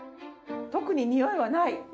特ににおいはない。